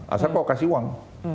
asal mau kasih uang